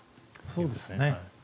そうですね。